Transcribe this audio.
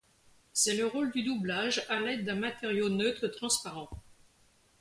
C'est le rôle du doublage à l'aide d'un matériau neutre transparent.